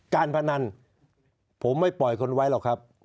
การพนันผมไม่ปล่อยคนไว้หรอกครับ